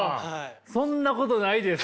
そんなことないです。